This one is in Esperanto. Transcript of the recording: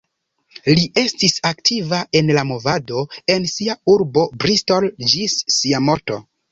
Li estis aktiva en la movado en sia urbo Bristol, ĝis sia morto.